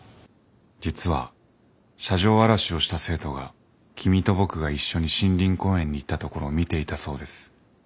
「実は車上荒らしをした生徒が君と僕が一緒に森林公園に行ったところを見ていたそうです」